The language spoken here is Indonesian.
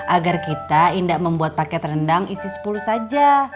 agar kita indah membuat paket rendang isi sepuluh saja